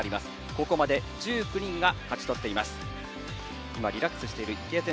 ここまで１９人が勝ち取っています。